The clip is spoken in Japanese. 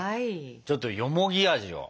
ちょっとよもぎ味を。